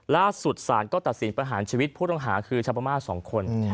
ล่าสุดสารก็ตัดสินประหารชีวิตผู้ต้องหาคือชาวพม่า๒คน